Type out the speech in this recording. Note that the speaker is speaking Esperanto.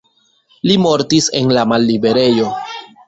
Li mortis en la malliberejo.